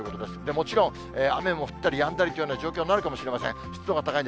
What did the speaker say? もちろん雨も降ったりやんだりというような状況になるかもしれません。